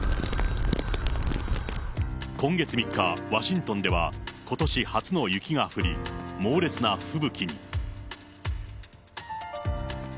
今月３日、ワシントンでは、ことし初の雪が降り、猛烈な吹雪に。